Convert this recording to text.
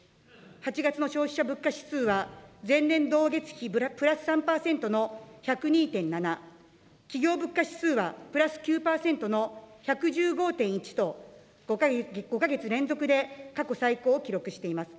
８月の消費者物価指数は前年同月比プラス３％の１０２．７、企業物価指数はプラス９％の１１５．１と、５か月連続で過去最高を記録しています。